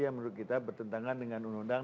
yang menurut kita bertentangan dengan undang undang